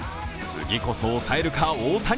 次こそ抑えるか、大谷。